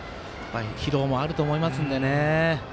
疲労もあると思いますんでね。